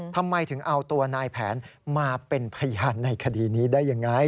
ทำไมถึงเอาตัวนายแผนมาเป็นพยานในคดีนี้ได้ยังไง